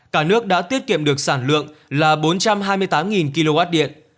cả nước đã tiết kiệm được sản lượng là bốn trăm hai mươi tám kwh